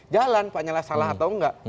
jalan pak nyala salah atau enggak